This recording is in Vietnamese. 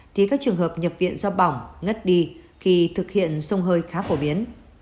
thì các trường hợp nhập viện do bỏng ngất đi khi thực hiện sông hơi khá phổ biến